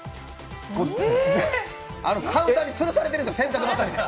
カウンターにつるされてるんですよ、洗濯ばさみで。